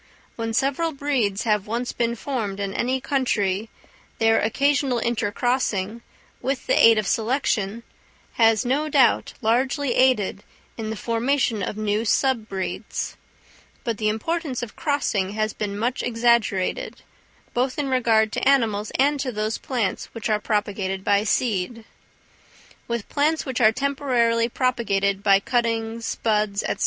When several breeds have once been formed in any country, their occasional intercrossing, with the aid of selection, has, no doubt, largely aided in the formation of new sub breeds; but the importance of crossing has been much exaggerated, both in regard to animals and to those plants which are propagated by seed. With plants which are temporarily propagated by cuttings, buds, &c.